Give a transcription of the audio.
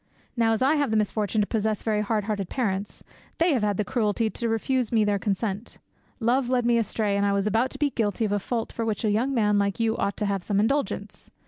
Now, as I have the misfortune to possess very hardhearted parents, they have had the cruelty to refuse me their consent. Love led me astray, and I was about to be guilty of a fault for which a young man like you ought to have some indulgence.